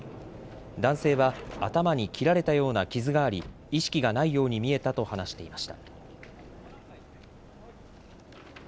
男性は頭に切られたような傷があり意識がないように見えたと話していました。